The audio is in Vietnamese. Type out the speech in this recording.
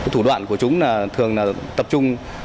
thủ đoạn của chúng là thường là tập trung